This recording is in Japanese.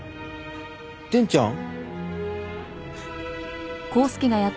伝ちゃん？